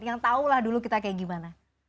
yang tahulah dulu kita kayak gimana